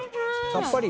さっぱり！